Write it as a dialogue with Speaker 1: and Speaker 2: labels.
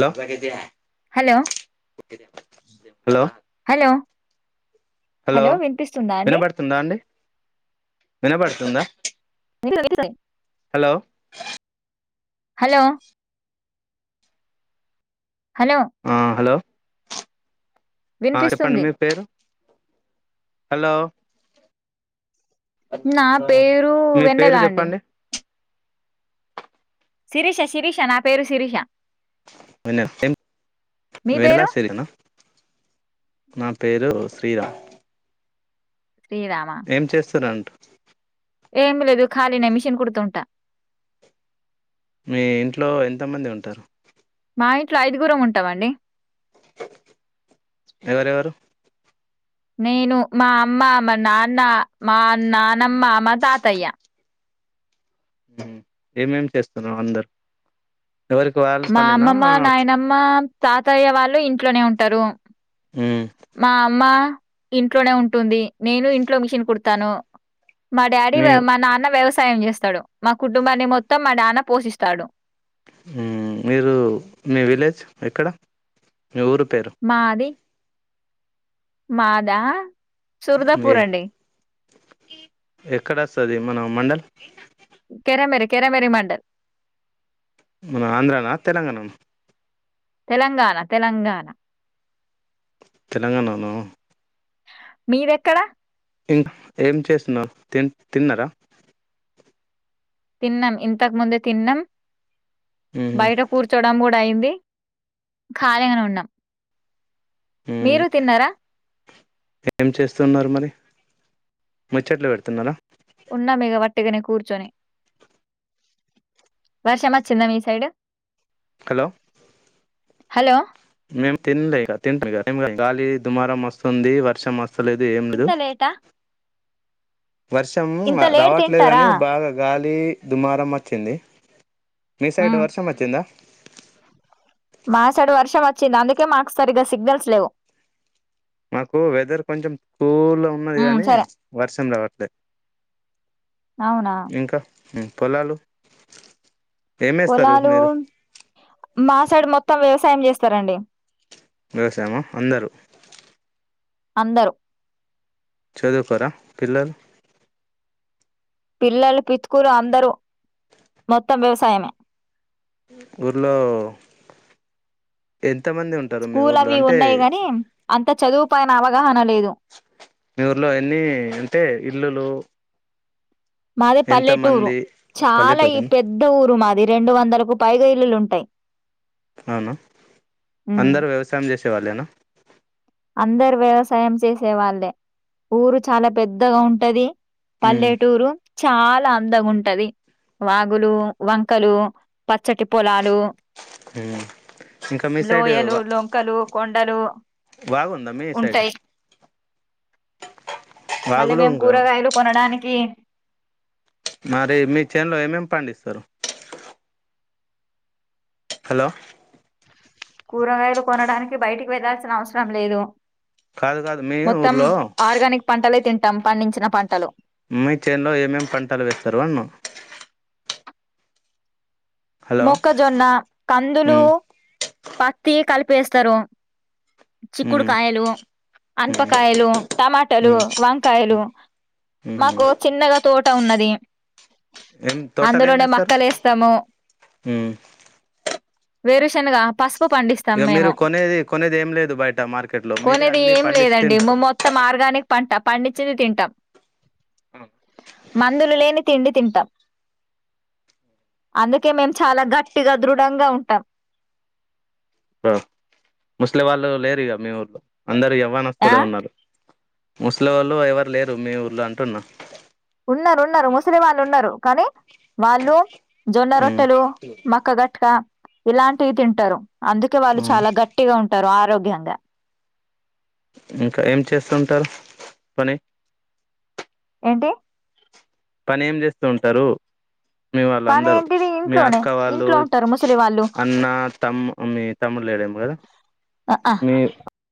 Speaker 1: లొ
Speaker 2: hello
Speaker 1: hello
Speaker 2: hello
Speaker 1: hello
Speaker 2: వినిపిస్తుందా అండి
Speaker 1: వినబడుతుందా అండి వినబడుతుందా
Speaker 2: [unintelligible] వినిపిస్తుంది
Speaker 1: హలో
Speaker 2: హలో హలో
Speaker 1: ఆ హలో ఆ చెప్పండి
Speaker 2: వినిపిస్తుంది
Speaker 1: మీ పేరు హలో
Speaker 2: నా పేరు
Speaker 1: మీ
Speaker 2: వెన్నెలా
Speaker 1: పేరు
Speaker 2: అండి
Speaker 1: చెప్పండి
Speaker 2: శిరీష శిరీష నా పేరు శిరీష
Speaker 1: వేన్నె ఎమ్
Speaker 2: మీ పేరు
Speaker 1: వెన్నెలసిరినా నా పేరు శ్రీరామ్
Speaker 2: శ్రీరామ
Speaker 1: ఏం చేస్తరం
Speaker 2: ఏమి లేదు ఖాళీనే మిషన్ కుడుతుంటా
Speaker 1: మీ ఇంట్లో ఎంతమంది ఉంటారు
Speaker 2: మా ఇంట్లో ఐదుగురం ఉంటామండి
Speaker 1: ఎవరెవరు
Speaker 2: నేను మా అమ్మ మా నాన్న మా నానమ్మ మా తాతయ్య
Speaker 1: మ్మ్ ఏమేం చేస్తున్నావ్ అందరు ఎవరికి వాళ్ళ
Speaker 2: మా
Speaker 1: పనేనా
Speaker 2: అమ్మమ్మ నాయనమ్మ తాతయ్య వాళ్ళు ఇంట్లోనే ఉం టరు
Speaker 1: మ్మ్
Speaker 2: మా అమ్మా ఇంట్లోనే ఉంటుంది నేను ఇంట్లో మిషన్ కుడుతాను మా డాడీ
Speaker 1: మీ
Speaker 2: మా నాన్న వ్యవస్ సాయం చేస్తాడు మా కుటుంబాన్ని మొత్తం మా నాన్న పోషిస్తాడు
Speaker 1: మ్మ్ మీరు మీ విలేజ్ ఎక్కడ నూరు పేరు
Speaker 2: మాది మాదా సుర్దాపూర్ అండి
Speaker 1: ఎక్కడ వస్తది మన మండల్
Speaker 2: కెరమెర కెరమెర మండల్
Speaker 1: మన ఆంధ్రానా తెలంగాణను
Speaker 2: తెలంగాణ తెలంగాణ
Speaker 1: తెలంగాణన
Speaker 2: మీరెక్కడ
Speaker 1: ఇంకా ఏం చేస్తున్నారు తి తిన్నారా
Speaker 2: తిన్నాం ఇంతకు ముందే తిన్నాం
Speaker 1: మ్మ్
Speaker 2: బయట కూర్చోడం కూడా అయింది ఖాళీగానే ఉన్నాం
Speaker 1: మ్మ్
Speaker 2: మీరు తిన్నారా
Speaker 1: ఏం చేస్తున్నారు మరి ముచ్చట్లు పెడుతున్నారా
Speaker 2: ఉన్నా బిగవ నే కూర్చనే వర్ష మొచ్చిందా మీ సైడ్
Speaker 1: హలో మే తినలే లేక తి గాలి దుమారం వస్తుంది వర్షం మస్తుంది అసలేదు ఏం లేదు
Speaker 2: ఇంత లేటా?
Speaker 1: వర్షము
Speaker 2: ఇంత లేట్
Speaker 1: రావట్లేదు
Speaker 2: తింటారా?
Speaker 1: కాని బాగా గాలి దుమారం వచ్చింది మీ సైడ్
Speaker 2: హ్మ్.
Speaker 1: వర్షం వచ్చిందా
Speaker 2: మాసైడు వర్షం వచ్చింది అందుకే మాకు సరిగ్గా సిగ్నల్స్ లేవు
Speaker 1: మాకు వెదర్ కొంచెం కూల్ ఉన్నది
Speaker 2: హ్మ్.
Speaker 1: కానీ
Speaker 2: సరే.
Speaker 1: వర్షం రావట్లేదు
Speaker 2: అవునా!
Speaker 1: ఇంకా పొలాాలు
Speaker 2: పోలాాలు మా సైడు మొత్తం వ్యవసాయం చేస్తారండి
Speaker 1: వ్యవసాయమా అందరూ
Speaker 2: అందరు
Speaker 1: చదువుకోరా పిల్లలు
Speaker 2: పిల్లలు పితుకూలు అందరూ మొత్తం వ్యవసాయమే
Speaker 1: ఊర్లో ఎ
Speaker 2: స్కూల్ అవి ఉన్నాయి గాని అంతా చదువుపోయినావా అనలేదు
Speaker 1: మీ ఊర్లో ఎన్ని అంటే ఇల్లులు
Speaker 2: మాది
Speaker 1: ఎంత
Speaker 2: పల్లెటూరు
Speaker 1: మంది
Speaker 2: చాలా ఈ
Speaker 1: పల్లెటూరేనా
Speaker 2: పెద్ద ఊరు మాది రెండు వందలకు పైగా ఇల్లులుంటాయి
Speaker 1: అవునా అందరు వ్యవసాయం జెస్ సె వాలేనా
Speaker 2: అందరు వ్యవసాయం చేసే వాళ్ళే ఊరు చాలా పెద్దగా ఉంటది
Speaker 1: ఉమ్
Speaker 2: పల్లెటూరు చాలా అందగ ఉంటది వాగులు వంకలు పచ్చటి పొలాలు
Speaker 1: ఉమ్ ఇంకా మీ సైడ్
Speaker 2: లోయలు
Speaker 1: వా
Speaker 2: లొంకలు కొండలు
Speaker 1: దా మీ సైడ్
Speaker 2: ఉంటాయి మళ్ళీ
Speaker 1: వాగులు
Speaker 2: మేము
Speaker 1: ఇంకా
Speaker 2: కూరగాయలు కొనడానికి
Speaker 1: మరి మీ చేన్లో ఏమేం పండిస్తరు హలో
Speaker 2: కూరగాయలు కొనడానికి బయటికి వెళ్లాల్సిన అవసరం లేదు
Speaker 1: కాదు కాదు మీ
Speaker 2: మొత్తం
Speaker 1: ఊర్లో
Speaker 2: ఆర్గానిక్ పంటలే తిం తన్ పండించిన పంటలు
Speaker 1: మీ చేన్లో ఏమేమి పంటలు వేస్తారు అన్నా హలో
Speaker 2: మొక్కజొన్న కందులు
Speaker 1: ఉమ్
Speaker 2: పత్తి కలిపేస్తారు
Speaker 1: ఉమ్
Speaker 2: చిక్కుడుకాయలు
Speaker 1: ఉమ్
Speaker 2: అనుపకాయలు టమాటాలు
Speaker 1: ఉమ్
Speaker 2: వంకాయలు
Speaker 1: ఉమ్
Speaker 2: మాకు చిన్నగా తోట ఉన్నది
Speaker 1: ఏం తోటలు ఏం
Speaker 2: అందులోనే
Speaker 1: వేస్తారు
Speaker 2: మక్కలు లేస్తము
Speaker 1: ఉమ్
Speaker 2: వేరుసెనగ
Speaker 1: ఇగ మీరు కొనేది కొనేది ఏం లేదు బయట మార్కెట్ లో మీరే
Speaker 2: కొనేది
Speaker 1: అన్ని
Speaker 2: ఏం
Speaker 1: పండిస్ తింటరు
Speaker 2: పండించిది తింటాం మందులు లేని తిండి తింటాం అందుకే మేము చాలా గట్టిగా దృఢంగా ఉంటాం
Speaker 1: ఆ ముస్లి వాళ్ళు లేరిగ మీ ఊర్లో అందరు
Speaker 2: ఆ
Speaker 1: ఎవ్వనస్తులే ఉన్నారు ముసలి వాళ్ళు ఎవరు లేరు మీ ఊర్ళ అంటున్నా
Speaker 2: ఉన్నరు ఉన్నరు ముసలి వాళ్ళు ఉన్నారు కానీ వాళ్ళు జొన్న
Speaker 1: ఉమ్,
Speaker 2: రొట్టెలు మక్క గట్క ఇలాంటివి తింటరు అందుకే వాళ్ళు
Speaker 1: అవును.
Speaker 2: చాలా గట్టిగా ఉం టరు ఆరోగ్యంగా
Speaker 1: ఇంకా ఏం చేస్తుంటరు పని
Speaker 2: ఏంటి
Speaker 1: పని ఏం జెస్తూ ఉంటారు మీ వాళ్ళు
Speaker 2: పని
Speaker 1: అందరూ
Speaker 2: ఏంటిది
Speaker 1: మీ
Speaker 2: ఇంట్లోనే
Speaker 1: అక్క వాళ్ళు
Speaker 2: ఇంట్లో ఉంటారు ముసలి వాళ్ళు
Speaker 1: అన్న తమ్ మీ తమ్ముళ్ళ లేడేం కదా
Speaker 2: ఆ ఆ
Speaker 1: మీ